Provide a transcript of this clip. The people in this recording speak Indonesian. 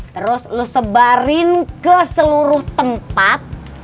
terus lu sebarin ke seluruh tempat